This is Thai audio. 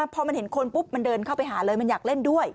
พอมันเห็นคนปุ๊บมันเดินเข้าไปหาเลยมันอยากเล่นด้วย